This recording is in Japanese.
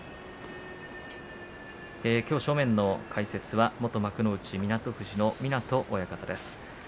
正面の解説は元幕内湊富士の湊親方です。